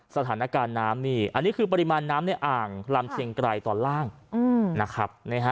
สถานการณ์น้ำนี่อันนี้คือปริมาณน้ำในอ่างลำเชียงไกรตอนล่างนะครับ